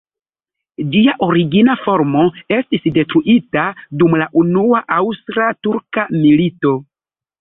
Ĝia origina formo estis detruita dum la Unua Aŭstra-Turka milito.